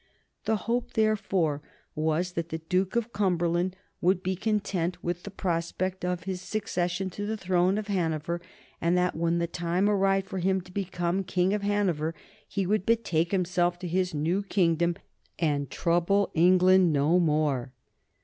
The hope, therefore, was that the Duke of Cumberland would be content with the prospect of his succession to the throne of Hanover, and that when the time arrived for him to become King of Hanover he would betake himself to his new kingdom and trouble England no more.